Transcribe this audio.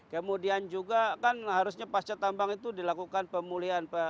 kemudian juga kan harusnya pasca tambang itu dilakukan pemulihan